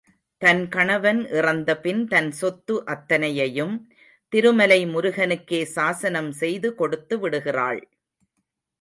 தன் கணவன் இறந்த பின் தன் சொத்து அத்தனையையும் திருமலை முருகனுக்கே சாஸனம் செய்து கொடுத்து விடுகிறாள்.